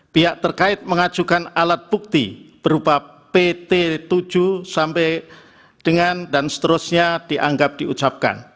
pihak terkait mengajukan alat bukti berupa pt tujuh sampai dengan dan seterusnya dianggap diucapkan